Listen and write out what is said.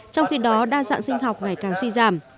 trong khi đó đa dạng sinh học ngày càng suy giảm